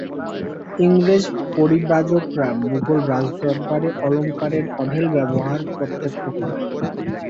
ইংরেজ পরিব্রাজকরা মুগল রাজদরবারে অলঙ্কারের অঢেল ব্যবহার প্রত্যক্ষ করে।